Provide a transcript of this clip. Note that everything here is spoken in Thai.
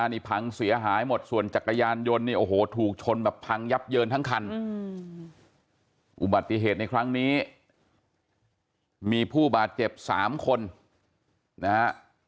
นี่พังเสียหายหมดส่วนจักรยานยนต์เนี่ยโอ้โหถูกชนแบบพังยับเยินทั้งคันอุบัติเหตุในครั้งนี้มีผู้บาดเจ็บ๓คนนะฮะ